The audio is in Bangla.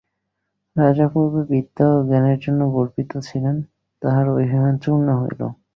রাজা পূর্বে বিদ্যা ও জ্ঞানের জন্য গর্বিত ছিলেন, তাঁহার অভিমান চূর্ণ হইল।